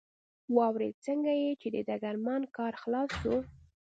واورېد، څنګه چې د ډګرمن کار خلاص شو.